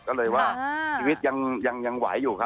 ก็เลยว่าชีวิตยังไหวอยู่ครับ